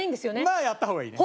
まあやった方がいいね。